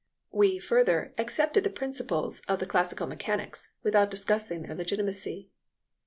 We, further, accepted the principles of the classical mechanics without discussing their legitimacy.